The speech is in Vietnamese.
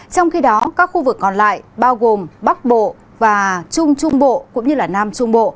trong khi đó các khu vực còn lại bao gồm bắc bộ và trung trung bộ cũng như nam trung bộ